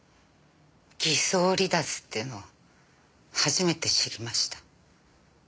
偽装離脱っていうのを初めて知りました。